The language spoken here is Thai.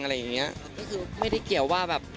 ก็คือไม่ได้เกี่ยวว่าแบบ